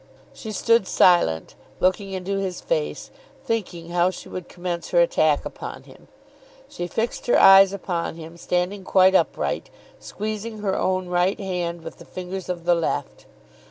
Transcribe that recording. She stood silent, looking into his face, thinking how she would commence her attack upon him. She fixed her eyes upon him, standing quite upright, squeezing her own right hand with the fingers of the left.